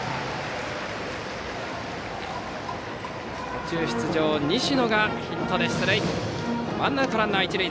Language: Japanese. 途中出場、西野がヒットで出塁。